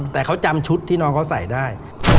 แต่เขาจำชุดที่น้องเขาใส่ได้